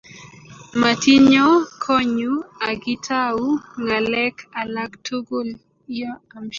Matinyo konnyu akitau ngalek alaktugul